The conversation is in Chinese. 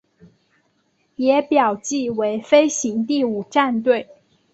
也表记为飞行第五战队。